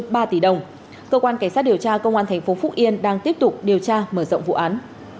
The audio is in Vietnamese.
điều tra mở rộng cơ quan cảnh sát điều tra công an thành phố phúc yên đang tiếp tục điều tra mở rộng vụ án